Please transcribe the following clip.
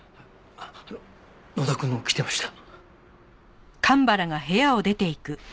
野田くんも来てました。